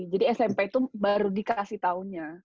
jadi smp itu baru dikasih tahunya